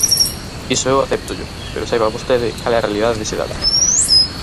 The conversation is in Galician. Iso eu acéptollo, pero saiba vostede cal é a realidade dese dato.